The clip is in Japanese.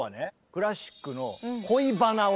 クラシックの恋バナを。